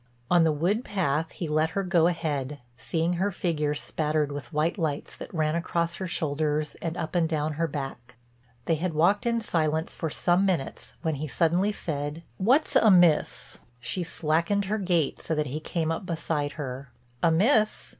On the wood path he let her go ahead, seeing her figure spattered with white lights that ran across her shoulders and up and down her back. They had walked in silence for some minutes when he suddenly said: "What's amiss?" She slackened her gait so that he came up beside her. "Amiss?